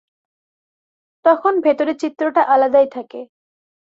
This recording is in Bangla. তখন ভেতরের চিত্রটা আলাদাই থাকে।